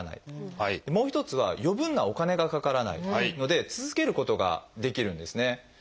もう一つは余分なお金がかからないので続けることができるんですね。